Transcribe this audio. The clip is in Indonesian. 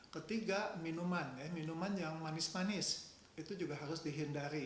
kedua minuman yang manis manis harus dihindari